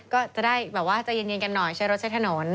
ก็จะได้แบบว่าใจเย็นกันหน่อยใช้รถใช้ถนน